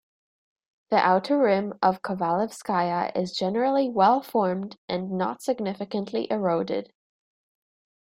The outer rim of Kovalevskaya is generally well-formed and not significantly eroded.